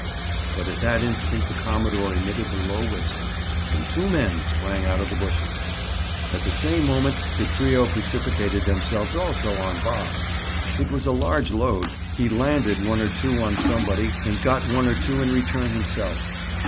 But at that instant the commodore emitted a low whistle and two men sprang out of the bushes. At the same moment the trio precipitated themselves, also, on Bob. It was a large load. He "landed" one or two on somebody and got one or two in return himself.